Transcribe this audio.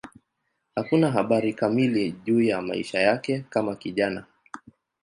Hakuna habari kamili juu ya maisha yake kama kijana.